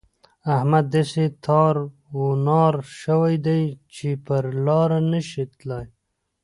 احمد داسې تار و نار شوی دی چې پر لاره نه شي تلای.